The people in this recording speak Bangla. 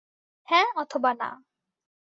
হ্যাঁ অথবা না।